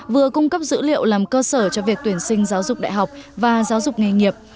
vừa cung cấp dữ liệu làm cơ sở cho việc tuyển sinh giáo dục đại học và giáo dục nghề nghiệp